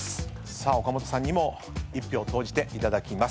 さあ岡本さんにも１票投じていただきます。